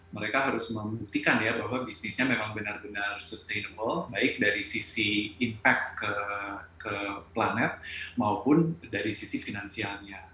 mereka harus membuktikan ya bahwa bisnisnya memang benar benar sustainable baik dari sisi impact ke planet maupun dari sisi finansialnya